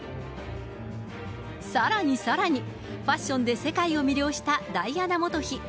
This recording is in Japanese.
さらにさらに、ファッションで世界を魅了したダイアナ元妃。